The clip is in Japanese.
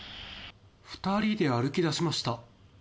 ２人で歩きだしました。